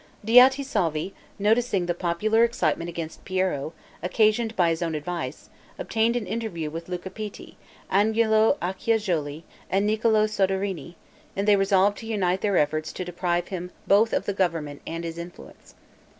Diotisalvi, noticing the popular excitement against Piero, occasioned by his own advice, obtained an interview with Luca Pitti, Agnolo Acciajuoli, and Niccolo Soderini, and they resolved to unite their efforts to deprive him both of the government and his influence.